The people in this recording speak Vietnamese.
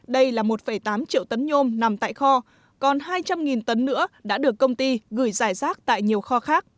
đây là một tám triệu tấn nhôm nằm tại kho còn hai trăm linh tấn nữa đã được công ty gửi giải rác tại nhiều kho khác